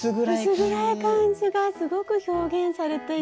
薄暗い感じがすごく表現されていて。